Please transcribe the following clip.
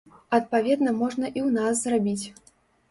Адпаведна можна і ў нас зрабіць.